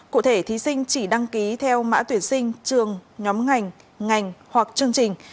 cụ thể thí sinh chỉ đăng ký theo mã tuyển sinh trường nhóm ngành ngành hoặc chương trình